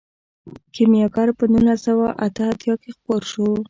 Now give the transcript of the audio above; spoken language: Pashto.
کیمیاګر په نولس سوه اته اتیا کې خپور شو.